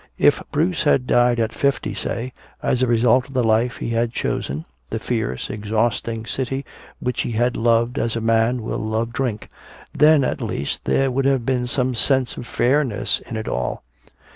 If Bruce had died at fifty, say, as a result of the life he had chosen, the fierce exhausting city which he had loved as a man will love drink, then at least there would have been some sense of fairness in it all!